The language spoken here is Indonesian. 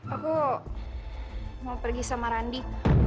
aku mau pergi sama randi